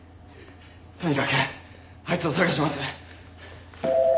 とにかくあいつを捜します。